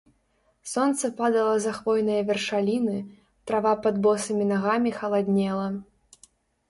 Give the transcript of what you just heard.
Сонца падала за хвойныя вяршаліны, трава пад босымі нагамі халаднела.